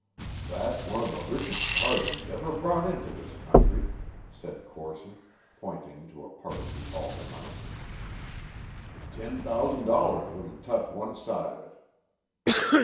"That's one of the richest carvings ever brought into this country," said Corson, pointing to a part of the altar mounting. "Tin thousand dollars wouldn't touch one side of it."